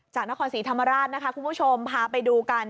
จากนครศรีธรรมราชนะคะคุณผู้ชมพาไปดูกัน